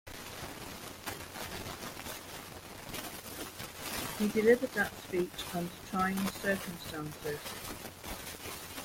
He delivered that speech under trying circumstances.